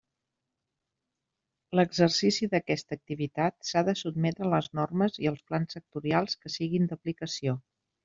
L'exercici d'aquesta activitat s'ha de sotmetre a les normes i els plans sectorials que siguen d'aplicació.